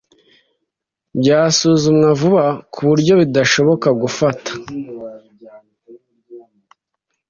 byasuzumwa vuba ku buryo bidashoboka gufata